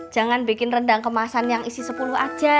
jangan bikin rendang kemasan yang isi sepuluh aja